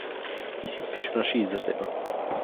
ისიც ფიჭვნარში იზრდება.